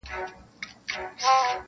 څارنوال ته سو معلوم اصلیت د وروره-